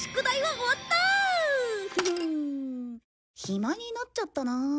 暇になっちゃったな。